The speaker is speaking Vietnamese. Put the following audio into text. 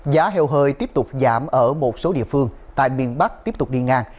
giá heo hơi tiếp tục giảm ở một số địa phương tại miền bắc tiếp tục đi ngang